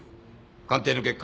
鑑定の結果